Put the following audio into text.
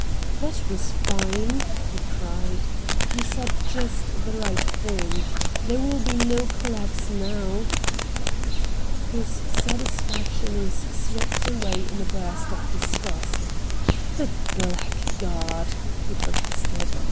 "That was fine!" he cried. "You said just the right thing. There will be no collapse now." His satisfaction was swept away in a burst of disgust. "The blackguard!" he protested.